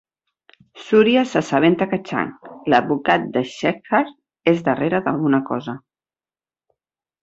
Surya s'assabenta que Chang, l'advocat de Shekhar, és darrere d'alguna cosa.